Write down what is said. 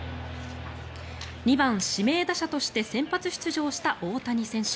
２番指名打者として先発出場した大谷選手。